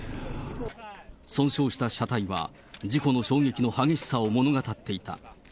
損傷した車体は、事故の衝撃の激しさを物語っていた。